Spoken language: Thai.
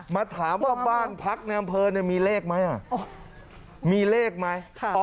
มาถามว่าบ้านพักในอำเภอมีเลขไหมมีเลขไหม